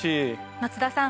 松田さん